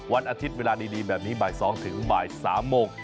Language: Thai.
วันอาทิตย์เวลานี้แบบนี้บ่าย๒๓โมง